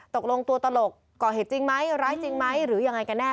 ตกลงตัวตลกก่อเหตุจริงไหมร้ายจริงไหมหรือยังไงกันแน่